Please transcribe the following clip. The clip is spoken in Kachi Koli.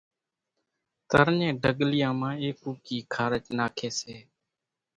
ترڃين ڍڳليان مان ايڪوڪي خارچ ناکي سي۔